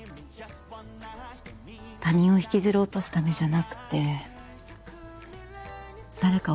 他人を引きずり落とすためじゃなくて誰かを